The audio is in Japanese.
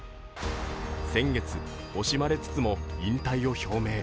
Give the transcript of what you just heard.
先月、惜しまれつつも引退を表明。